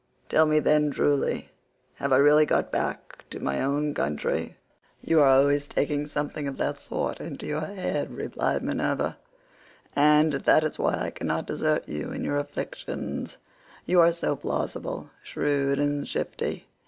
Tell me then truly, have I really got back to my own country?" "You are always taking something of that sort in your head," replied Minerva, "and that is why I cannot desert you in your afflictions; you are so plausible, shrewd and shifty.